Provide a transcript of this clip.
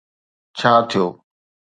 ڇا ٿيو